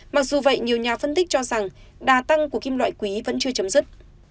mặc dù vậy nhiều nhà phân tích cho rằng đà tăng của kim loại quý vẫn chưa chấm dứt